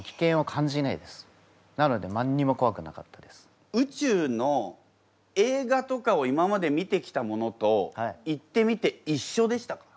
だから宇宙の映画とかを今まで見てきたものと行ってみていっしょでしたか？